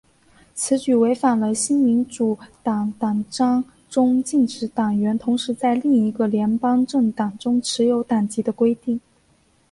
此举违反了新民主党党章中禁止党员同时在另一个联邦政党中持有党籍的规定。